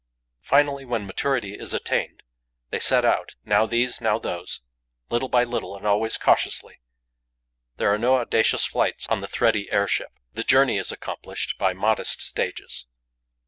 Finally, when maturity is attained, they set out, now these, now those, little by little and always cautiously. There are no audacious flights on the thready airship; the journey is accomplished by modest stages.